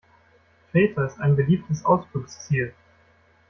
Kreta ist ein beliebtes Ausflugsziel.